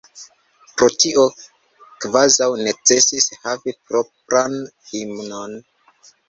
Pro tio kvazaŭ necesis havi propran himnon.